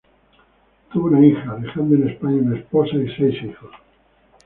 Tuvo una hija, dejando en España una esposa y seis hijos.